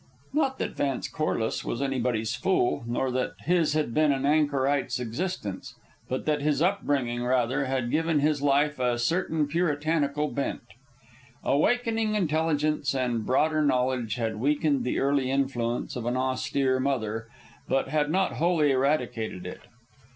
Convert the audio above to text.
Not that Vance Corliss was anybody's fool, nor that his had been an anchorite's existence; but that his upbringing, rather, had given his life a certain puritanical bent. Awakening intelligence and broader knowledge had weakened the early influence of an austere mother, but had not wholly eradicated it.